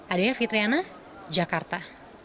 adanya fitriana jakarta